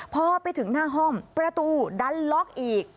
พอไปถึงหน้าห้องประตูดันล็อกอีก